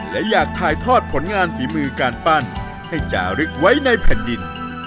และอยากถ่ายทอดผลงานฝีมือการปั้นให้จารึกไว้ในแผ่นดิน